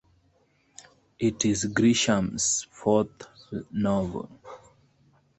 It is Grisham's fourth novel.